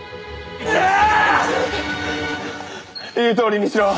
言うとおりにしろ。